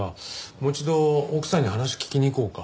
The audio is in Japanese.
もう一度奥さんに話聞きに行こうか。